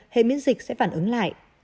hệ miễn dịch sẽ phản ứng lại